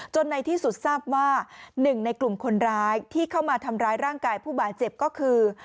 ในที่สุดทราบว่าหนึ่งในกลุ่มคนร้ายที่เข้ามาทำร้ายร่างกายผู้บาดเจ็บก็คือ